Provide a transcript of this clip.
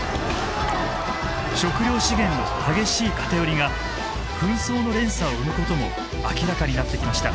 食料資源の激しい偏りが紛争の連鎖を生むことも明らかになってきました。